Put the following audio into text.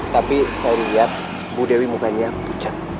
tapi saya lihat bu dewi bukannya pucat